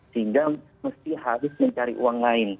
sehingga mesti harus mencari uang lain